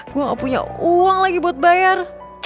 gue gak punya uang lagi buat bayar